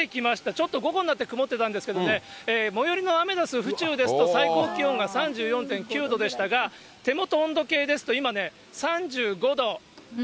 ちょっと午後になって曇ってたんですけどね、最寄りのアメダス、府中ですと、最高気温が３４．９度でしたが、手元温度計ですと、今ね、３５度。